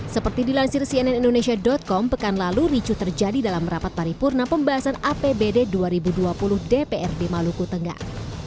seperti dilansir cnn indonesia com pekan lalu ricu terjadi dalam rapat paripurna pembahasan apbd dua ribu dua puluh dprd maluku tengah